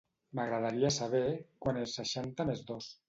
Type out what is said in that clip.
M'agradaria saber quant és seixanta més dos.